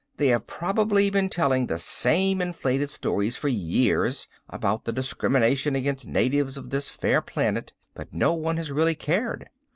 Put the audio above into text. They have probably been telling the same inflated stories for years about the discrimination against natives of this fair planet, but no one has really cared.